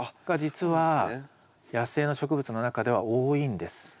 が実は野生の植物の中では多いんです。